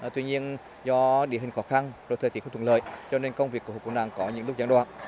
tuy nhiên do địa hình khó khăn rồi thời tiết không thuận lợi cho nên công việc của quân đoàn có những lúc gián đoạn